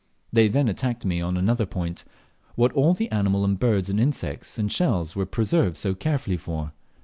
They then attacked me on another point what all the animals and birds and insects and shells were preserved so carefully for.